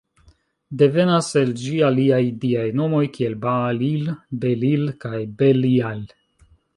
Devenas el ĝi aliaj diaj nomoj kiel "Baal-il", "Bel-il", kaj "Bel-ial".